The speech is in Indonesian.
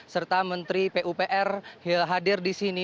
serta menteri pupr hadir di sini